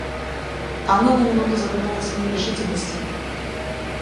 Анна на минуту задумалась в нерешительности.